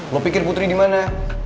lo pikir putri dimana